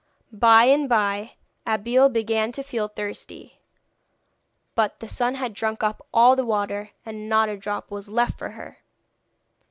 By and by Abeille began to feel thirsty, but the sun had drunk up all the water, and not a drop was left for her.